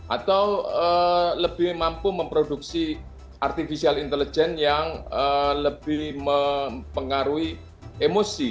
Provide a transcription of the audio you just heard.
atau lebih mampu memproduksi artificial intelligence yang lebih mempengaruhi emosi